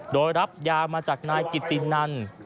โดยรับยามาจากนายกิตินัน